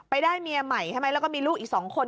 ได้เมียใหม่ใช่ไหมแล้วก็มีลูกอีก๒คน